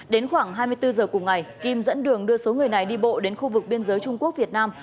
đến khoảng hai mươi bốn giờ cùng ngày kim dẫn đường đưa số người này đi bộ đến khu vực biên giới trung quốc việt nam